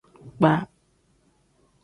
Kpaa.